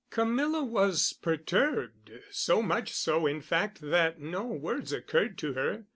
Camilla was perturbed—so much so, in fact, that no words occurred to her.